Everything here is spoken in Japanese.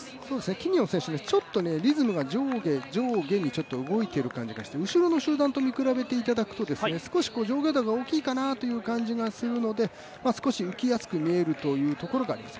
キニオン選手、ちょっとリズムが上下上下に動いている感じがありまして、後ろの集団と見比べていただくと、上下運動が大きいかなと思いますので少し浮きやすく見えるというところがあります。